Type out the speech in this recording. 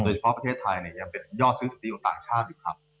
โดยเฉพาะประเทศไทยยังเป็นยอดซื้อสถิติของต่างชาติอยู่ครับ